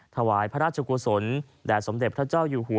ถวายพระราชกุศลแด่สมเด็จพระเจ้าอยู่หัว